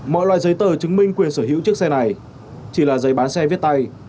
mọi loại giấy tờ chứng minh quyền sở hữu chiếc xe này chỉ là giấy bán xe viết tay